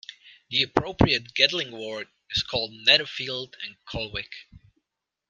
The appropriate Gedling ward is called Netherfield and Colwick.